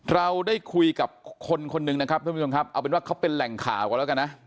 เราได้คุยกับคนคนหนึ่งนะครับท่านผู้ชมครับเอาเป็นว่าเขาเป็นแหล่งข่าวก่อนแล้วกันนะ